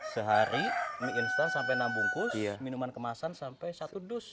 sehari mie instan sampai enam bungkus minuman kemasan sampai satu dus